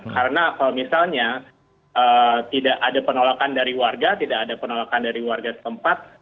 karena kalau misalnya tidak ada penolakan dari warga tidak ada penolakan dari warga setempat